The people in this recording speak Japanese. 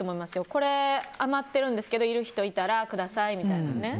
これ余ってるんですけどいる人いたらくださいみたいな。